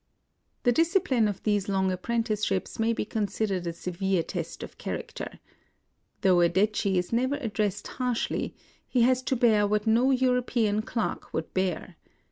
The discipline of these long apprenticeships may be considered a severe test of character. Though a detchi is never addressed harshly, he has to bear what no European clerk would bear.